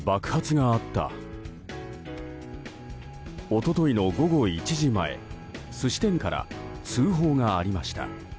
一昨日の午後１時前寿司店から通報がありました。